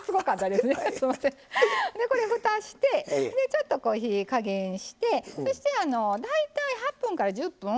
でこれふたしてでちょっとこう火ぃ加減してそして大体８分１０分